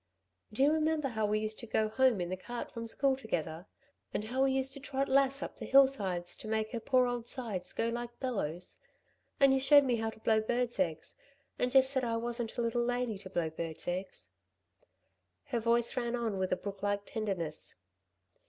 "Do you remember how we used to go home in the cart from school together, and how we used to trot Lass up the hillsides to make her poor old sides go like bellows, and you showed me how to blow birds' eggs, and Jess said I wasn't a little lady to blow birds' eggs." Her voice ran on with a brooklike tenderness.